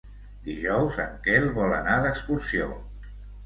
Dijous en Quel vol anar d'excursió.